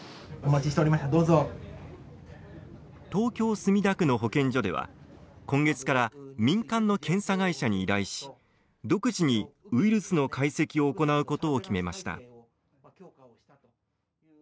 東京・墨田区の保健所では今月から民間の検査会社に依頼し独自にウイルスの解析を行うことを決めました。